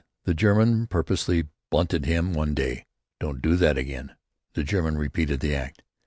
The German purposely bunted him one day. "Don't do that again!" The German repeated the act.